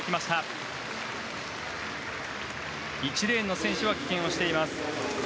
１レーンの選手は棄権をしています。